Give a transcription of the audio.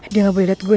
dia gak boleh liat gue